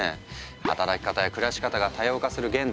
働き方や暮らし方が多様化する現代。